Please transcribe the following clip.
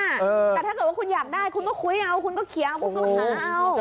แต่ถ้าเกิดว่าคุณอยากได้คุณก็คุยเอาคุณก็เคลียร์คุณก็หาเอา